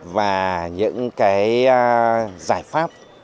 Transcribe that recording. và những cái giải pháp